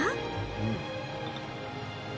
うん。